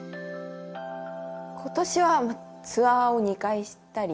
今年はツアーを２回したり。